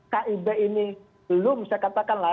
kib ini belum saya katakanlah